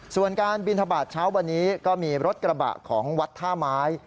ส่วนการบินทบาทเช้าวันนี้ก็มีรถกระบะของวัดท่าไม้